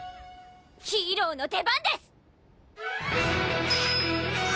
ヒーローの出番です！